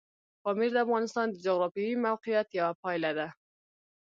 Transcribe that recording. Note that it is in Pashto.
پامیر د افغانستان د جغرافیایي موقیعت یوه پایله ده.